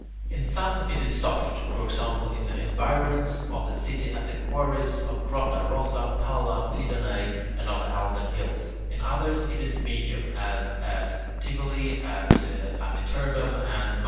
In some it is soft: for example, in the environs of the city at the quarries of Grotta Rossa, Palla, Fidenae, and of the Alban hills; in others, it is medium, as at Tivoli, at Amiternum, or Mt.